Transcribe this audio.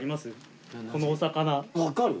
このお魚。